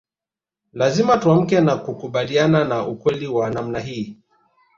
Lazima tuamke na kukubaliana na ukweli wa namna hii